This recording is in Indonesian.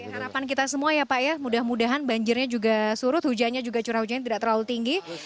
harapan kita semua ya pak ya mudah mudahan banjirnya juga surut hujannya juga curah hujannya tidak terlalu tinggi